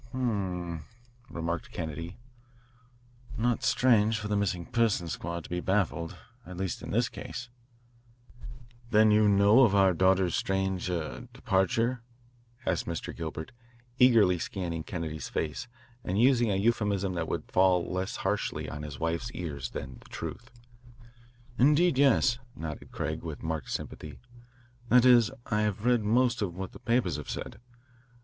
"H m," remarked Kennedy; "not strange for the Missing Persons Squad to be baffled at least, at this case." "Then you know of our daughter's strange er departure?" asked Mr. Gilbert, eagerly scanning Kennedy's face and using a euphemism that would fall less harshly on his wife's ears than the truth. "Indeed, yes," nodded Craig with marked sympathy: "that is, I have read most of what the papers have said.